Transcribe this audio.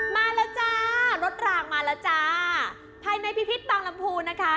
มาแล้วจ้ารถรางมาแล้วจ้าภายในพิพิษบางลำพูนนะคะ